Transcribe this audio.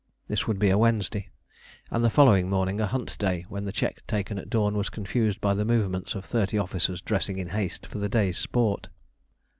This would be a Wednesday, and the following morning a hunt day, when the check taken at dawn was confused by the movements of thirty officers dressing in haste for the day's sport.